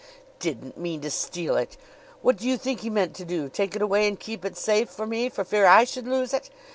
"Didn't mean to steal it! What do you think he meant to do take it away and keep it safe for me for fear I should lose it?